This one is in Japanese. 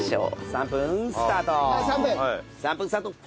３分スタート。